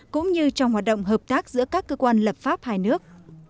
cũng như trong hoạt động hợp tác giữa các cơ quan lập pháp hai nước